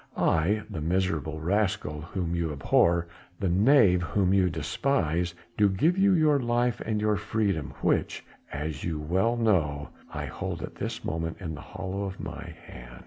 I the miserable rascal whom you abhor, the knave whom you despise do give you your life and your freedom which, as you well know, I hold at this moment in the hollow of my hand.